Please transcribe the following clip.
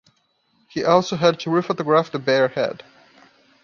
He also had to re-photograph the bear head.